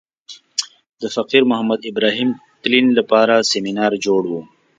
د فقیر محمد ابراهیم تلین لپاره سمینار جوړ و.